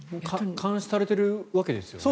監視されているわけですよね。